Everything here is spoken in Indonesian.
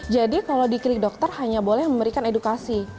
jadi kalau di klik dokter hanya boleh memberikan edukasi